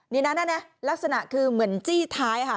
นี่น่ะน่ะน่ะลักษณะคือเหมือนท้ายอะฮะ